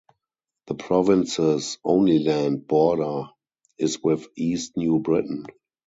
The province's only land border is with East New Britain.